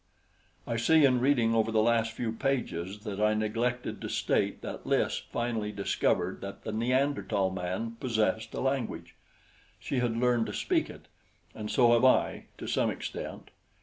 I see in reading over the last few pages that I neglected to state that Lys finally discovered that the Neanderthal man possessed a language. She has learned to speak it, and so have I, to some extent.